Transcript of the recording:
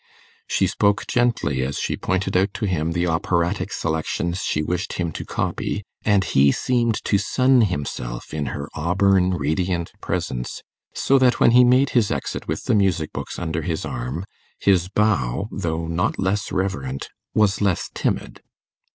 She spoke gently as she pointed out to him the operatic selections she wished him to copy, and he seemed to sun himself in her auburn, radiant presence, so that when he made his exit with the music books under his arm, his bow, though not less reverent, was less timid.